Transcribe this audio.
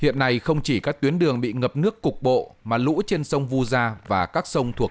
hiện nay không chỉ các tuyến đường bị ngập nước cục bộ mà lũ trên sông vu gia và các sông thuộc